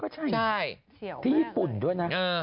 ใช่ที่ญี่ปุ่นด้วยนะ